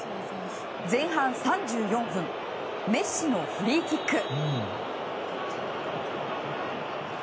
前半３４分メッシのフリーキック。